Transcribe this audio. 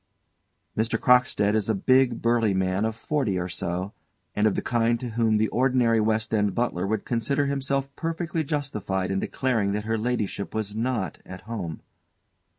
_ MR. CROCKSTEAD _is a big, burly man of forty or so, and of the kind to whom the ordinary West End butler would consider himself perfectly justified in declaring that her ladyship was not at home.